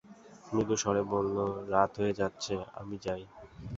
মৃদু স্বরে বলল, রাত হয়ে যাচ্ছে, আমি যাই।